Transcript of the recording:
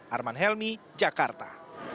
arman helmy jakarta